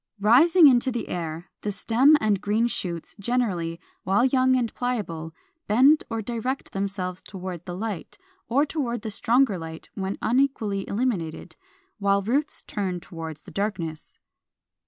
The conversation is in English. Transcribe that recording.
466. Rising into the air, the stem and green shoots generally, while young and pliable, bend or direct themselves toward the light, or toward the stronger light when unequally illuminated; while roots turn toward the darkness.